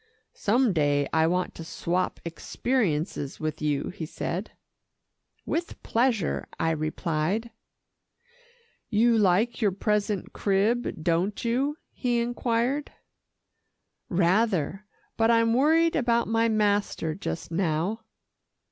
"Some day I want to swap experiences with you," he said. "With pleasure," I replied. "You like your present crib, don't you?" he inquired. "Rather, but I'm worried about my master just now."